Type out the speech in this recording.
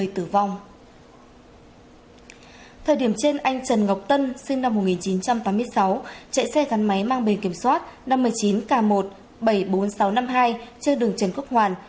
trần ngọc tân sinh năm một nghìn chín trăm tám mươi sáu chạy xe gắn máy mang bề kiểm soát năm mươi chín k một trăm bảy mươi bốn nghìn sáu trăm năm mươi hai trên đường trần quốc hoàn